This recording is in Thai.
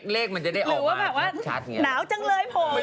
เลขมันจะได้ออกมาถูกชัด